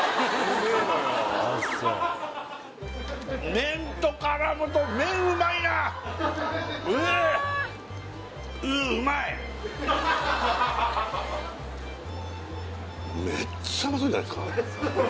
麺と絡むと麺うまいなうえうううまい！じゃないすか？